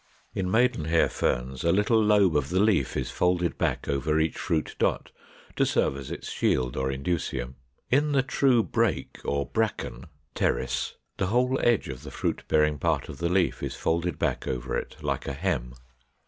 In Maidenhair Ferns a little lobe of the leaf is folded back over each fruit dot, to serve as its shield or indusium. In the true Brake or Bracken (Pteris) the whole edge of the fruit bearing part of the leaf is folded back over it like a hem.